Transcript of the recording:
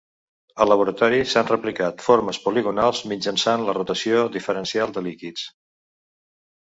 Al laboratori s'han replicat formes poligonals mitjançant la rotació diferencial de líquids.